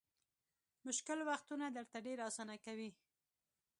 مشکل وختونه درته ډېر اسانه کوي.